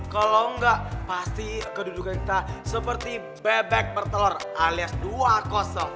kalau enggak pasti kedudukan kita seperti bebek bertelur alias dua kosong